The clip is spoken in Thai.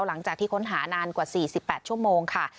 หลังจากที่ค้นหานานกว่า๔๘ชั่วโมงค่ะ